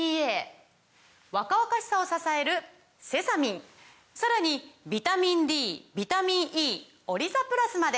若々しさを支えるセサミンさらにビタミンＤビタミンＥオリザプラスまで！